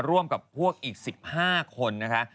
ร่วมกับพวกอีก๑๕คนนะคะ